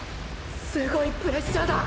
すごいプレッシャーだ！！